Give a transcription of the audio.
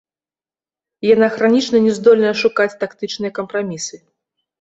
Яна хранічна не здольная шукаць тактычныя кампрамісы.